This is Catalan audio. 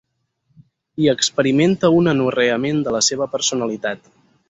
I experimenta un anorreament de la seva personalitat.